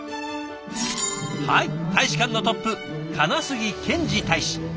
はい大使館のトップ金杉憲治大使。